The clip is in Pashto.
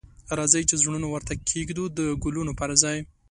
راځئ چې زړونه ورته کښیږدو د ګلونو پر ځای